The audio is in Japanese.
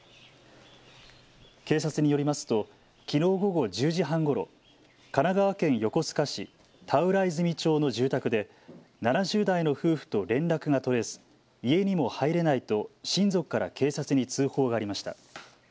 警察によりますときのう午後１０時半ごろ、神奈川県横須賀市田浦泉町の住宅で７０代の夫婦と連絡が取れず家にも入れないと親族から警察に通報がありました。